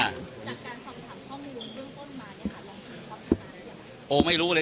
อยากหาเรื่องของช็อตอย่างไร